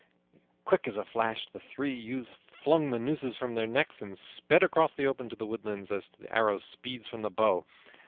Quick as a flash the three youths flung the nooses from their necks and sped across the open to the woodlands as the arrow speeds from the bow.